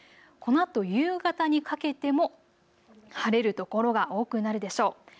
このあと夕方にかけても晴れる所が多くなるでしょう。